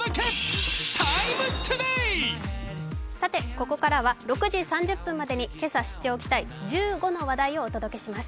ここからは６時３０分までに今朝知っておきたい１５の話題をお届けします。